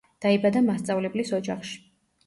დაიბადა მასწავლებლის ოჯახში.